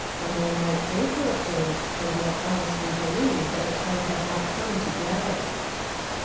A man might pray for a thing, and yet honestly believe that the time had not come to get it."